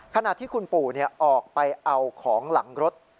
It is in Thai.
ขณะที่คุณปู่ออกไปเอาของหลังรถ